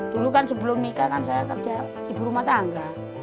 dulu kan sebelum nikah kan saya kerja ibu rumah tangga